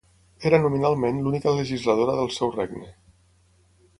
Era nominalment l'única legisladora del seu regne.